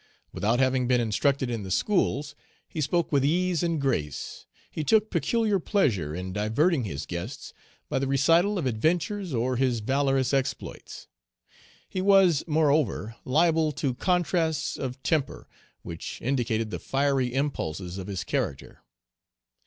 Without having been instructed in the schools, he spoke with ease and grace; he took peculiar pleasure in diverting his guests by the recital of adventures or his valorous exploits. He was moreover liable to contrasts of temper which indicated the fiery impulses of his character.